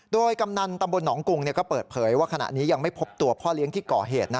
โดยกำนันตำบลหนองกรุงก็เปิดเผยว่าขณะนี้ยังไม่พบตัวพ่อเลี้ยงที่ก่อเหตุ